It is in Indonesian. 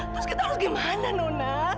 terus kita harus gimana nuna